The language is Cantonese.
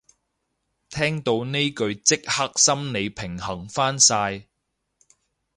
聽到呢句即刻心理平衡返晒